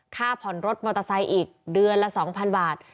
ค่าผ่อนรถมอเตอร์ไซค์อีกเดือนละ๒๐๐๐บาท